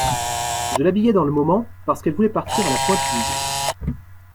Je l'habillais dans le moment, parce qu'elle voulait partir à la pointe du jour.